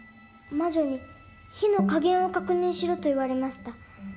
魔女に「火の加減を確認しろ」と言われました。